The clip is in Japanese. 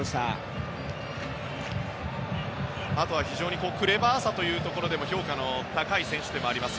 あとは非常にクレバーさというところでも評価の高い選手でもあります